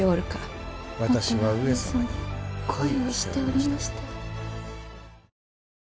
もとは上様に恋をしておりましたよ。